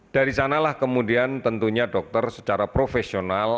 dari sanalah kemudian tentunya dokter secara profesional